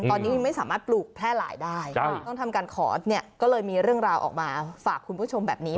ตอนนี้ไม่สามารถปลูกแพร่หลายได้ต้องทำการขอเนี่ยก็เลยมีเรื่องราวออกมาฝากคุณผู้ชมแบบนี้